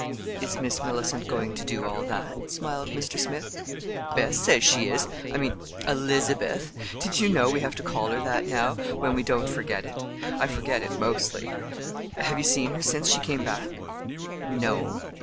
"Is Miss Mellicent going to do all that?" smiled Mr. Smith. "Bess says she is—I mean, Elizabeth. Did you know? We have to call her that now, when we don't forget it. I forget it, mostly. Have you seen her since she came back?" "No."